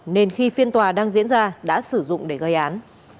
nên khi phiên tòa đang diễn ra đã sử dụng để gây án